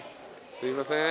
すいません。